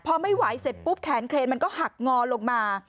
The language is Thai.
พอไม่ไหวเสร็จปุ๊บแขนเครนมันก็หักงอลงมา